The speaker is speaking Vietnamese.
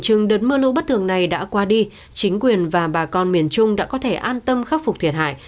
các thường này đã qua đi chính quyền và bà con miền trung đã có thể an tâm khắc phục thiệt hại